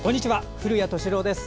古谷敏郎です。